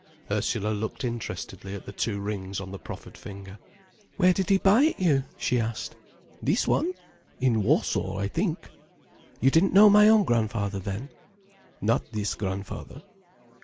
Ursula looked interestedly at the two rings on the proffered finger. "Where did he buy it you?" she asked. "This one? In Warsaw, I think." "You didn't know my own grandfather then?" "Not this grandfather."